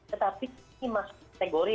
tetapi ini mah tegori